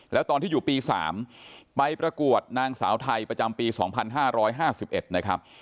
แล้วตอนที่อยู่ปีสามไปประกวดนางสาวไทยประจำปีสองพันห้าร้อยห้าสิบเอ็ดนะครับ